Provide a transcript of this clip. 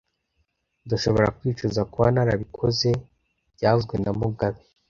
Ndashobora kwicuza kuba narabikoze byavuzwe na mugabe